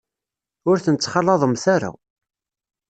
Ur ten-ttxalaḍemt ara.